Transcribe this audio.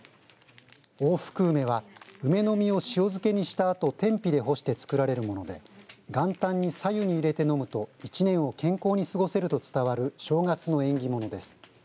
大福梅は梅の実を塩漬けにしたあと天日で干して作られるもので元旦にさ湯に入れて飲むと１年を健康に過ごせると伝わる正月の縁起物です。